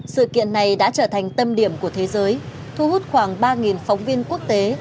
sự kiện này đã trở thành tâm điểm của thế giới thu hút khoảng ba phóng viên quốc tế